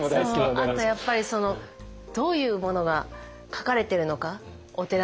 あとやっぱりどういうものが書かれてるのかお寺の鐘に。